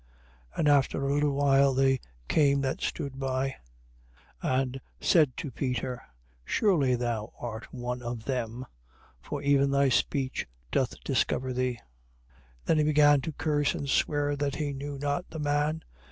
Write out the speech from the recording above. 26:73. And after a little while, they came that stood by and said to Peter: Surely thou also art one of them. For even thy speech doth discover thee. 26:74. Then he began to curse and to swear that he knew not the man.